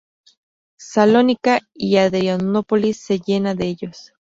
Salónica y Adrianópolis se llena de ellos.